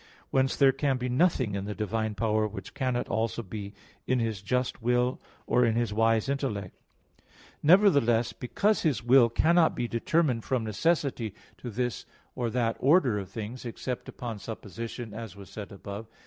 Whence, there can be nothing in the divine power which cannot also be in His just will or in His wise intellect. Nevertheless, because His will cannot be determined from necessity to this or that order of things, except upon supposition, as was said above (Q.